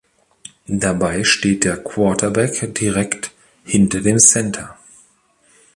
Dabei steht der Quarterback direkt hinter dem Center.